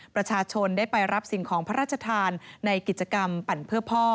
ประชาชนได้ไปรับสิ่งของพระราชทานในกิจกรรมปั่นเพื่อพ่อ